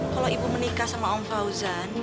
kalau ibu menikah sama om fauzan